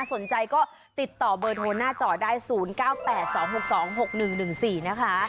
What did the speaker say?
สนใจก็ติดต่อเบอร์โทรหน้าจอได้๐๙๘๒๖๒๖๑๑๔นะคะ